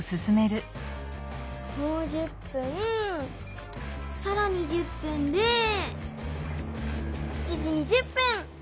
もう１０分さらに１０分で７時２０分！